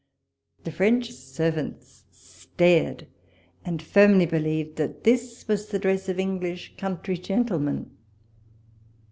The French servants stared, and firmly believed that this was the dress of English country gentlemen.